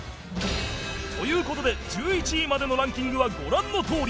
という事で１１位までのランキングはご覧のとおり